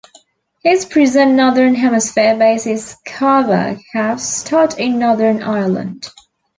His present Northern Hemisphere base is Scarvagh House Stud in Northern Ireland.